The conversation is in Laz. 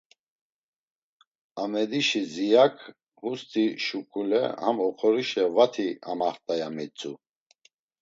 Amedişi Ziyak hust̆i şuǩule ham oxorişe vati amaxt̆a, ya mitzu.